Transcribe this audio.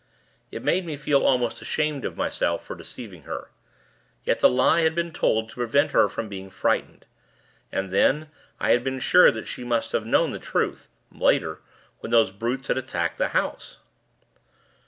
It made me feel almost ashamed of myself for deceiving her. Yet, the lie had been told to prevent her from being frightened. And then, I had been sure that she must have known the truth, later, when those brutes had attacked the house.